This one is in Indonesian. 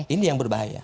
ini yang berbahaya